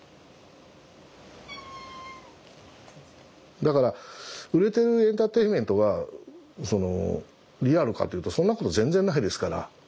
だから売れてるエンターテインメントがリアルかっていうとそんなこと全然ないですから。